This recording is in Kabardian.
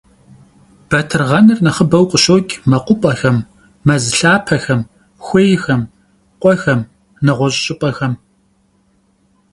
Батыргъэныр нэхъыбэу къыщокӏ мэкъупӏэхэм, мэз лъапэхэм, хуейхэм, къуэхэм, нэгъуэщӏ щӏыпӏэхэм.